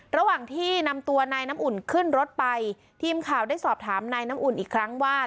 ระหว่างที่นำตัวนายน้ำอุ่นขึ้นรถไปทีมข่าวได้สอบถามนายน้ำอุ่นอีกครั้งว่า